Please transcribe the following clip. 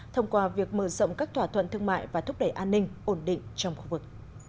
thông qua việc mở rộng các thỏa thuận thương mại và thúc đẩy an ninh ổn định trong khu vực